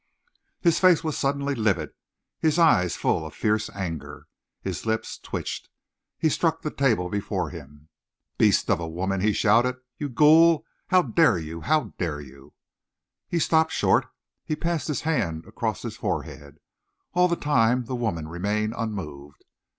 His face was suddenly livid, his eyes full of fierce anger. His lips twitched. He struck the table before him. "Beast of a woman!" he shouted. "You ghoul! How dare you! How dare you " He stopped short. He passed his hand across his forehead. All the time the woman remained unmoved.